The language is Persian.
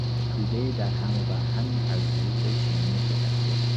تودهی درهم وبرهمی از ظروف چینی شکسته